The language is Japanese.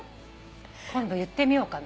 今度言ってみようかな。